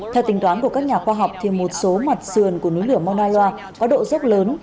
theo tính toán của các nhà khoa học thì một số mặt xườn của núi lửa mauna loa có độ rớt lớn